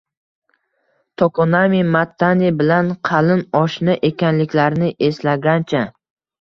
Tokonami Mattani bilan qalin oshna ekanliklarini eslagancha